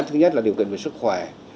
thứ nhất là điều kiện về sức khỏe